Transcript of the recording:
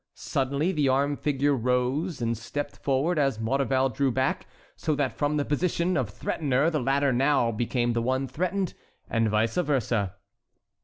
Suddenly the armed figure rose and stepped forward as Maurevel drew back, so that from the position of threatener, the latter now became the one threatened, and vice versa.